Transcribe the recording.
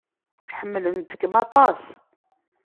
Ḥemmlent-kem aṭas.